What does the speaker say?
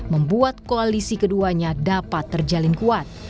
membuat koalisi keduanya dapat terjalin kuat